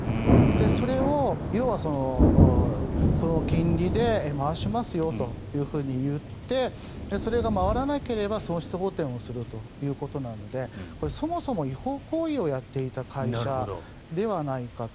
それを要は金利で回しますよと言ってそれが回らなければ損失補てんするということなのでそもそも違法行為をやっていた会社ではないかと。